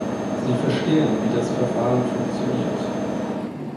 Sie verstehen, wie das Verfahren funktioniert.